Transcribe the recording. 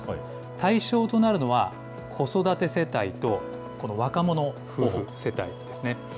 対象となるのは、子育て世帯と、若者夫婦世帯ですね。